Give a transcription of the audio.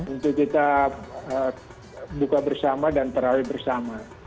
untuk kita buka bersama dan terawih bersama